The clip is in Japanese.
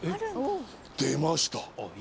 出ました。